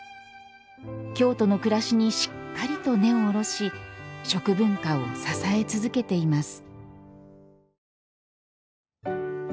京都の暮らしにしっかりと根を下ろし食文化を支え続けています。